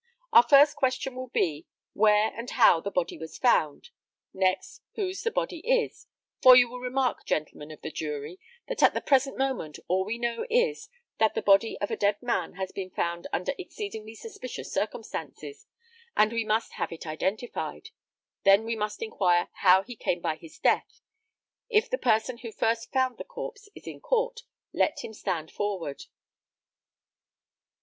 Our first question will be, where and how the body was found; next, whose the body is for you will remark, gentlemen of the jury, that at the present moment all we know is, that the body of a dead man has been found under exceedingly suspicious circumstances, and we must have it identified; then we must inquire how he came by his death. If the person who first found the corpse is in court, let him stand forward."